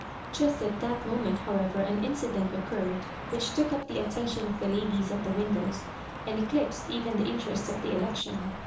Just at that moment, . however, an incident occurred which took up the attention of the ladies at the windows, and eclipsed even the interest of the election.